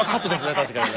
確かにね。